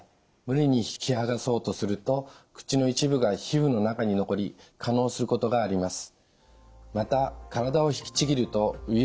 無理に引きはがそうとすると口の一部が皮膚の中に残り化のうすることがあります。